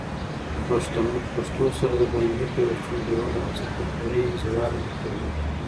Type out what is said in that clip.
د پښتو سره د بینالمللي پیوستون جوړولو هڅه کلتوري انزوا له منځه وړي.